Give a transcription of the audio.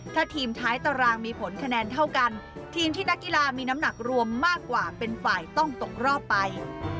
ถ้าทีมท้ายตารางมีผลคะแนนเท่ากันทีมที่นักกีฬามีน้ำหนักรวมมากกว่าเป็นฝ่ายต้องตกรอบไป